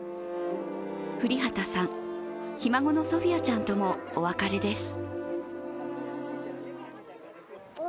降籏さん、ひ孫のソフィアちゃんともお別れです。